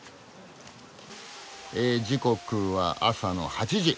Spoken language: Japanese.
え時刻は朝の８時。